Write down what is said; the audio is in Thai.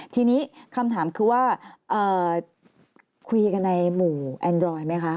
ทีนี้คำถามคือว่าคุยกันในหมู่แอนดรอยไหมคะ